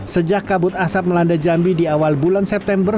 sejak kabut asap melanda jambi di awal bulan september